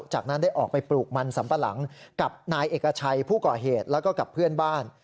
จากนั้นได้ออกไปปลูกมันสัมปะหลังกับนายเอกชัยผู้ก่อเหตุแล้วก็กับเพื่อนบ้าน